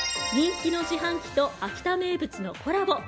人気の自販機と秋田名物のコラボ。